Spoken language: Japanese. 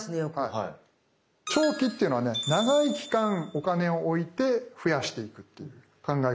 長期っていうのがね長い期間お金を置いて増やしていくっていう考え方で。